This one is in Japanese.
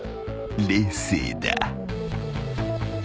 冷静だ］